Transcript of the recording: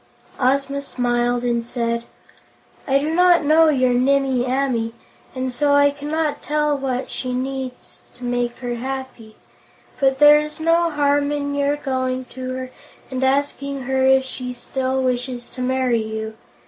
Ozma smiled as she said: "I do not know your Nimmie Amee, and so I cannot tell what she most needs to make her happy. But there is no harm in your going to her and asking her if she still wishes to marry you.